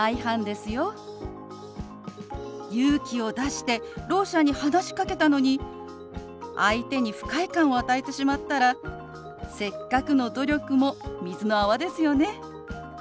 勇気を出してろう者に話しかけたのに相手に不快感を与えてしまったらせっかくの努力も水の泡ですよね。